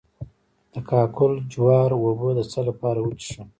د کاکل جوار اوبه د څه لپاره وڅښم؟